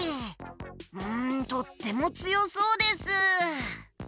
うんとってもつよそうです。